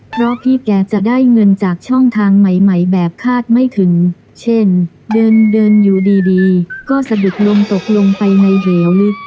เพราะพี่แกจะได้เงินจากช่องทางใหม่ใหม่แบบคาดไม่ถึงเช่นเดินเดินอยู่ดีก็สะดุดลมตกลงไปในเหวลึก